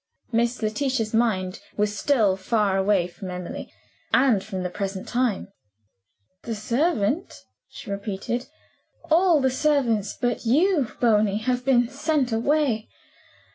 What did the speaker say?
Miss Letitia's mind was still far away from Emily, and from the present time. "The servant?" she repeated. "All the servants but you, Bony, have been sent away.